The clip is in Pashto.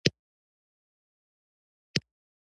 د شپې خپلې کوټې ته لاړم او د محمود ډالۍ مې راوویسته.